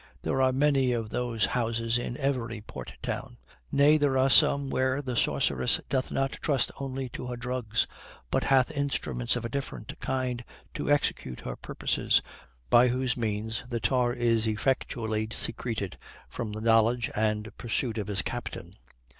There are many of those houses in every port town. Nay, there are some where the sorceress doth not trust only to her drugs; but hath instruments of a different kind to execute her purposes, by whose means the tar is effectually secreted from the knowledge and pursuit of his captain.